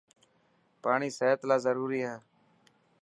پاڻي صحت لاءِ ضروري هي.